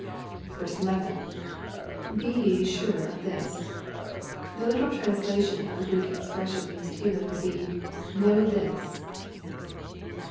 11. — [Be ye sure of this,] The literal translation of the Greek ex* pression used here, would be, " Know this."